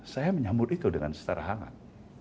saya menyambut itu dengan setara hangat